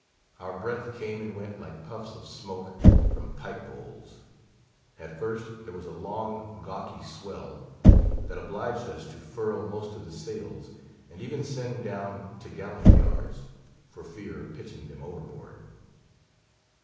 Our breath came and went like puffs' of smoke from pipe bowls. At first there was a long gauky swell, that obliged us to furl most of the sails, and even send down t' gallant yards, for fear of pitching them overboard.